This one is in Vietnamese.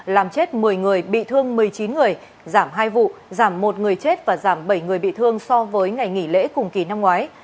làm chết một mươi người bị thương một mươi chín người giảm hai vụ giảm một người chết và giảm bảy người bị thương so với ngày nghỉ lễ cùng kỳ năm ngoái